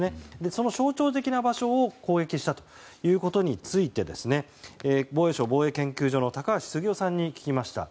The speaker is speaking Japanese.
その象徴的な場所を攻撃したということについて防衛省防衛研究所の高橋杉雄さんに聞きました。